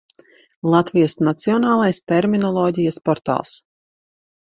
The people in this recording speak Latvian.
Latvijas Nacionālais terminoloģijas portāls